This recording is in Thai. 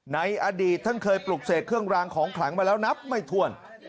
ในอดีตท่านเคยปลุกเสกเครื่องรางของขลังมาแล้วนับไม่ถ้วน